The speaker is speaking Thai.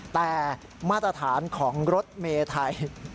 แต่มาตรฐานของรถเมย์ไทย